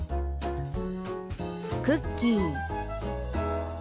「クッキー」。